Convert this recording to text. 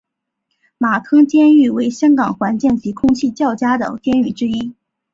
马坑监狱为香港环境及空气较佳的监狱之一。